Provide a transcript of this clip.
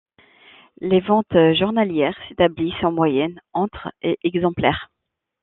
Les ventes journalières s'établissent en moyenne entre et exemplaires.